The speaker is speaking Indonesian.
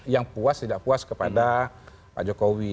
yang puas tidak puas kepada pak jokowi